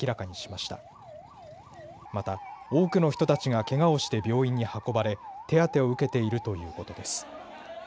また多くの人たちがけがをして病院に運ばれ手当てを受けているということです。